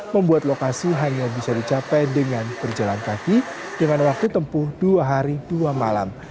membuat lokasi hanya bisa dicapai dengan berjalan kaki dengan waktu tempuh dua hari dua malam